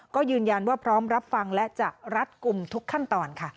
ก็ยืนยันว่าพร้อมรับฟังและจะรัดกลุ่มทุกขั้นตอนค่ะ